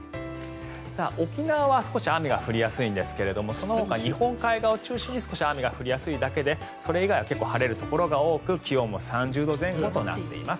沖縄は少し雨が降りやすいんですがそのほか日本海側を中心に少し雨が降りやすいだけでそれ以外は結構晴れるところが多く気温も３０度前後となっています。